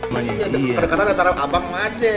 maksudnya kedekatan antara abang sama adek